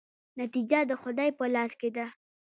نتیجه د خدای په لاس کې ده؟